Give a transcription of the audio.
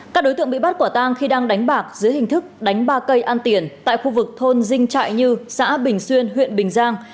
các đối tượng bị bắt quả tang khi đang đánh bạc dưới hình thức đánh ba cây ăn tiền tại khu vực thôn dinh trại như xã bình xuyên huyện bình giang